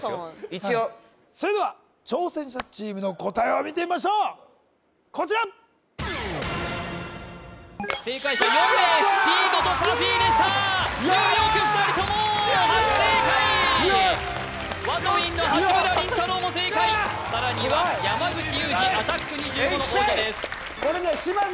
一応それでは挑戦者チームの答えを見てみましょうこちら正解者４名ＳＰＥＥＤとＰＵＦＦＹでしたニューヨーク２人とも初正解ＷＡＴＷＩＮＧの八村倫太郎も正解さらには山口祐司「アタック２５」の王者です